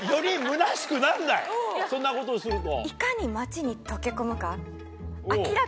そんなことをすると。